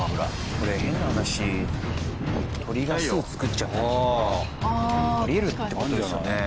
これ変な話鳥が巣作っちゃったりとかあり得るって事ですよね？